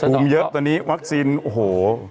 เยอะตอนนี้วัคซีนโอ้โห